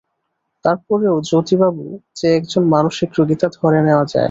তার পরেও জ্যোতিবাবু যে একজন মানসিক রূগী তা ধরে নেওয়া যায়।